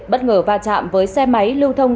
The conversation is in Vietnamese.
bất ngờ va chạm với xe máy lưu thông